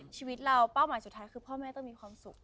ชีวิตเราเป้าหมายสุดท้ายคือพ่อแม่ต้องมีความสุข